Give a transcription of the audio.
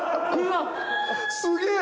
すげえ。